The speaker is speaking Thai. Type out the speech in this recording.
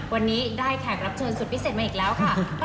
วันนี้ได้แขกรับเชิญสุดพิเศษมาอีกแล้วค่ะ